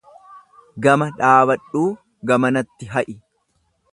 Gama dhaabadhuu gamanatti ha'i.